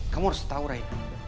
kamu harus tahu ray